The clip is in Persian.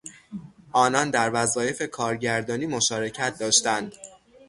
آنان در وظایف کارگردانی مشارکت داشتند.